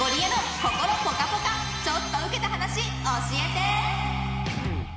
心ぽかぽかちょっとウケた話教えて！